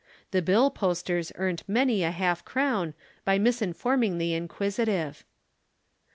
The bill posters earnt many a half crown by misinforming the inquisitive.